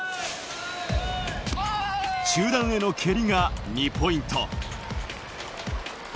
中段への蹴りが２ポイント。